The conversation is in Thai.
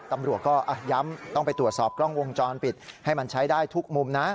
ตำรวจก็ย้ำต้องไปตรวจสอบกล้องวงจรปิดให้มันใช้ได้ทุกมุมนะ